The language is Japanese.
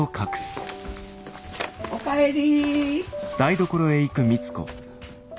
お帰り。